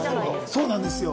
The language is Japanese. そうなんですよ。